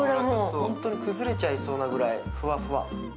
本当に崩れちゃいそうなぐらいふわふわ。